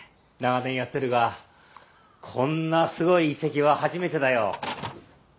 長年やってるがこんなすごい遺跡は初めてだよ。